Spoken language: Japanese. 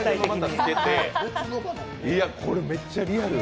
これ、めっちゃリアル。